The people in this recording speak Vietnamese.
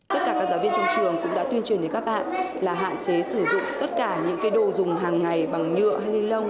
tất cả các giáo viên trong trường cũng đã tuyên truyền đến các bạn là hạn chế sử dụng tất cả những đồ dùng hàng ngày bằng nhựa hay ni lông